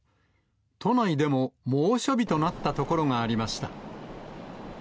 都内でも、猛暑日となった所がありました。